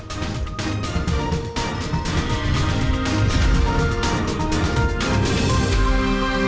tapi kita diskusikan nanti di segmen berikutnya pak